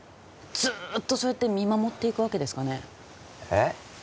ずっとそうやって見守っていくわけですかねえっ？